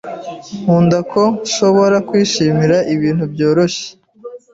Nkunda ko nshobora kwishimira ibintu byoroshye